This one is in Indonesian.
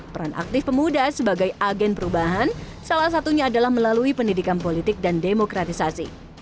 peran aktif pemuda sebagai agen perubahan salah satunya adalah melalui pendidikan politik dan demokratisasi